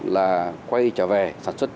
là quay trở về sản xuất